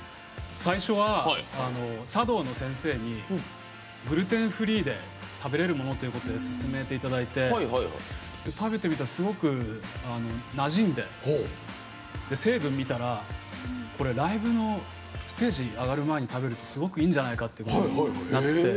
最初は茶道の先生にグルテンフリーで食べれるものということで勧めていただいて食べてみたら、すごくなじんで成分、見たらライブのステージ上がる前に食べるとすごくいいんじゃないかということになって。